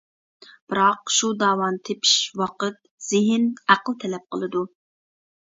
بىراق، شۇ داۋانى تېپىش ۋاقىت، زېھىن، ئەقىل تەلەپ قىلىدۇ.